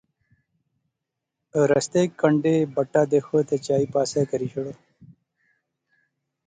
رستے اچ کنڈے بٹا دیخو تے چائی پاسے کری شوڑو